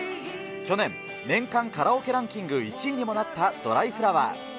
去年、年間カラオケランキング１位にもなったドライフラワー。